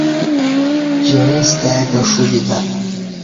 جیعستای کہ ݜو ب یتہ